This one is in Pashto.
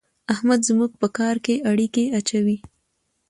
احمد زموږ په کار کې اړېکی اچوي.